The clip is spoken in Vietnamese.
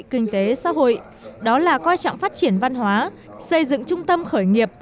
kinh tế xã hội đó là coi trọng phát triển văn hóa xây dựng trung tâm khởi nghiệp